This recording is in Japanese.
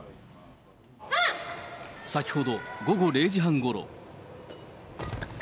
先ほど午後０時半ごろ。